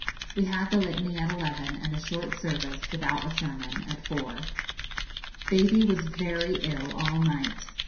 We had the Litany at eleven, and a short service, without a sermon, at four. Baby was very ill all night.